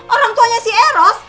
orang tuanya si eros